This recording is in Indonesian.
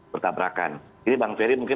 bertabrakan jadi bang ferry mungkin